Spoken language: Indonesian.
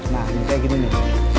nah kayak gini nih